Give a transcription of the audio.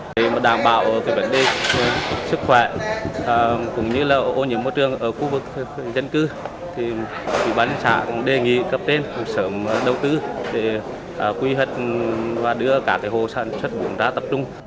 để đảm bảo vấn đề sức khỏe cũng như ô nhiễm môi trường ở khu vực dân cư thủy bán nhân sản đề nghị cấp tên sởm đầu tư để quy hợp và đưa cả hồ sản xuất bún ra